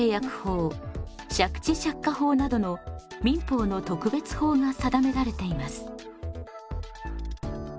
借地借家法などの民法の特別法が定められています。